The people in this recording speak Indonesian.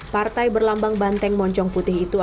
partai berlambang banteng moncong putih itu